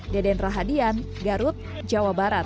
deden rahadian garut jawa barat